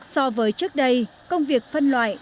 so với trước đây công việc phân loại